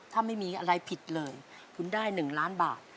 ถ้าไม่มีอะไรผิดเลยคุณได้๑ล้านบาท